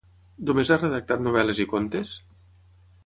Només ha redactat novel·les i contes?